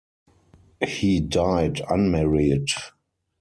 He died unmarried.